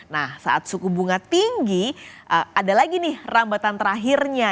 nah saat suku bunga tinggi ada lagi nih rambatan terakhirnya